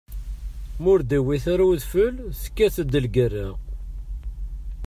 Ma ur d-iwwit ara udfel, tekkat-d lgerra.